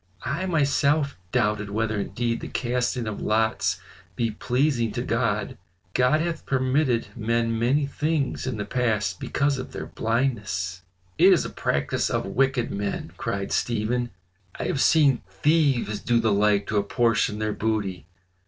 "I myself doubted whether indeed the casting of lots be pleasing to God. God hath permitted men many things in the past because of their blindness." "It is a practice of wicked men," cried Stephen. "I have seen thieves do the like to apportion their booty.